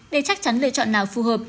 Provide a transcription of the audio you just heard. để chắc chắn lựa chọn nào phù hợp